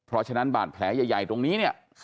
เพราะฉะนั้นบาดแผลใหญ่ตรงนี้เนี่ย